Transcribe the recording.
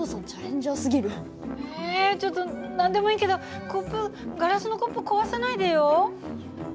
ちょっと何でもいいけどコップガラスのコップ壊さないでよ。